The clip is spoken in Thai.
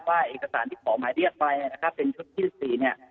ว่าเอกสารที่ขอหมายเรียกไปนะครับเป็นชุดที่๑๔เนี่ย